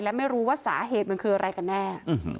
และไม่รู้ว่าสาเหตุมันคืออะไรกันแน่